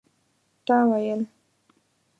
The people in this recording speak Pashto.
تا ويل